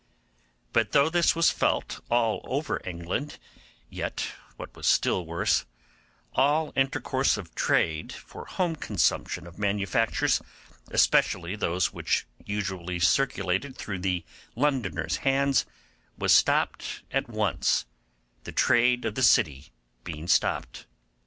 But though this was felt all over England, yet, what was still worse, all intercourse of trade for home consumption of manufactures, especially those which usually circulated through the Londoner's hands, was stopped at once, the trade of the city being stopped.